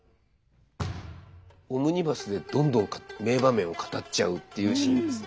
オムニバスでどんどん名場面を語っちゃうっていうシーンですね。